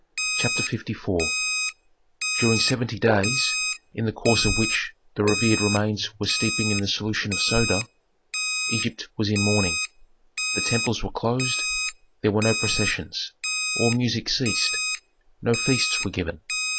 CHAPTER LIV During seventy days, in the course of which the revered remains were steeping in the solution of soda, Egypt was in mourning. The temples were closed; there were no processions. All music ceased; no feasts were given.